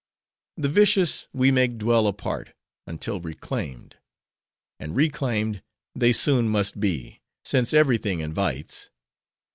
The vicious we make dwell apart, until reclaimed. And reclaimed they soon must be, since every thing invites.